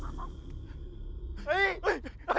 อย่าเข้ามานะเว้ย